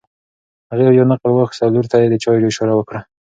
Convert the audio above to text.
هغې یو نقل واخیست او لور ته یې د چایو اشاره وکړه.